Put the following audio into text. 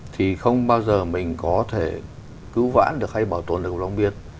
thì không bao giờ mình có thể cứu vãn được hay bảo tồn được long biên